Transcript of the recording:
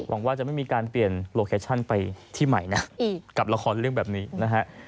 หวังว่าจะไม่มีการเปลี่ยนโลเคชั่นไปที่ใหม่นะกับละครเรื่องแบบนี้นะฮะ